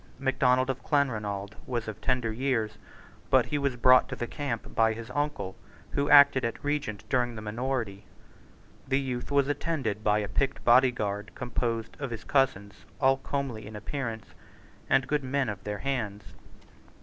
Macdonald of Clanronald was of tender years: but he was brought to the camp by his uncle, who acted at Regent during the minority. The youth was attended by a picked body guard composed of his own cousins, all comely in appearance, and good men of their hands.